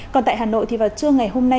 còn tại hà nội thì vào trưa ngày hôm nay